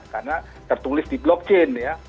karena tertulis di blockchain ya